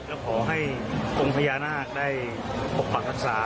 แล้วขอให้องค์พญานาคได้ปกปรับทรัพย์ปรับข้า